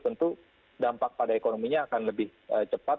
tentu dampak pada ekonominya akan lebih cepat